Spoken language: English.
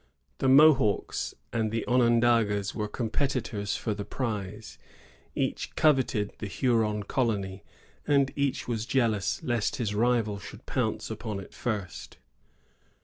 The Mohawks and the Onondagas were competitors for the prize. Each coveted the Huron colony, and each was jealous lest his rival should pounce upon it first.